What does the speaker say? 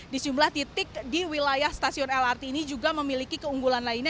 di sejumlah titik di wilayah stasiun lrt ini juga memiliki keunggulan lainnya